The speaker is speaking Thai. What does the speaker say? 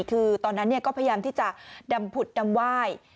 คือตอนนั้นเนี่ยก็พยายามที่จะดำผุดดำว่าย